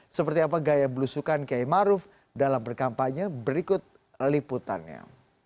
seperti apa gaya belusukan kiai maruf dalam berkampanye berikut liputannya